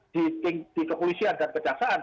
tidak hanya di kepolisian dan kejaksaan